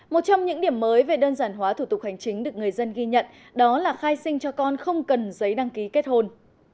một trong những điểm mới về đơn giản hóa thủ tục hành chính được người dân ghi nhận đó là khai sinh cho con không cần giấy đăng ký kết hôn